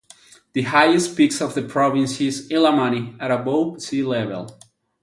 The highest peaks of the province is Illimani at above sea level.